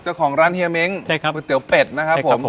เจ้าของร้านเฮียเม้งใช่ครับก๋วยเตี๋ยวเป็ดนะครับผมใช่ครับผม